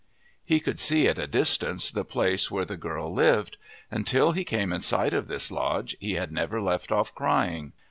He could see at a distance the place where the girl lived. Until he came in sight of this lodge he had never left off crying.